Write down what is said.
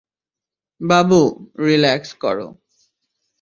বাবু, relax করো।